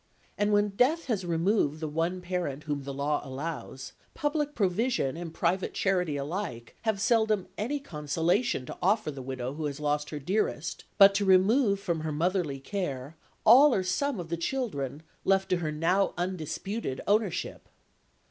And when death has removed the one parent whom the law allows, public provision and private charity alike have seldom any consolation to offer the widow who has lost her dearest, but to remove from her motherly care all or some of the children left to her (now undisputed) ownership.